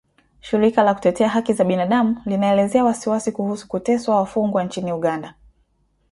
Shirika la kutetea haki za binadamu linaelezea wasiwasi kuhusu kuteswa wafungwa nchini Uganda